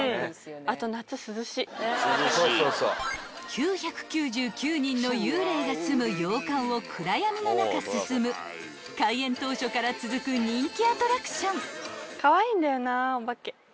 ［９９９人の幽霊がすむ洋館を暗闇の中進む開園当初から続く人気アトラクション］